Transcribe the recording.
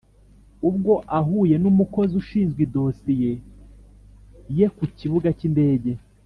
Ubwo ahuye n umukozi ushinzwe idosiye ye ku kibuga cy indege